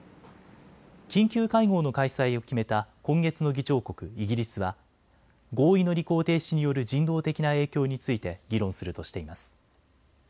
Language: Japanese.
緊急会合の開催を決めた今月の議長国、イギリスは合意の履行停止による人道的な影響について議論するとしています。